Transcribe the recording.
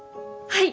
はい。